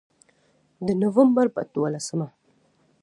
د نومبر په دولسمه